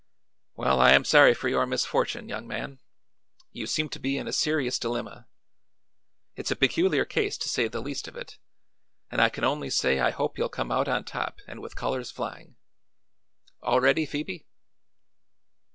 "Well, I am sorry for your misfortune, young man. You seem to be in a serious dilemma. It's a peculiar case, to say the least of it, and I can only say I hope you'll come out on top and with colors flying. All ready, Phoebe?"